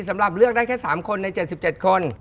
สำหรับเลือกได้แค่๓คนใน๗๗คน